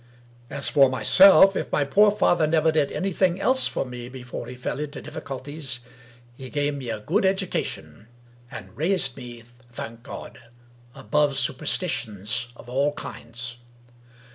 As for myself, if my poor father never did anything else for me before he fell into difficulties, he gave me a good education, and raised me (thank God) above superstitions of all sorts.